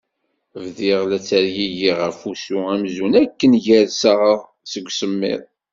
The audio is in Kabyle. Bdiɣ la ttergigiɣ ɣef wusu amzun akken gerseɣ seg usemmiḍ.